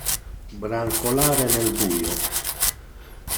Brancolare nel buio.